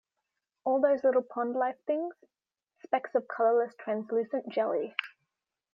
All those little pond-life things: specks of colourless translucent jelly!